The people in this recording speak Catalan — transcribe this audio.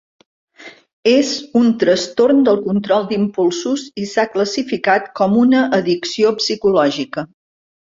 És un trastorn del control d'impulsos i s'ha classificat com una addicció psicològica.